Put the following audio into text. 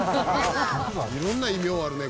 色んな異名あるね